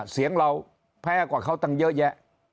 เสียงเราแพ้กว่าเขาตั้งเยอะแยะ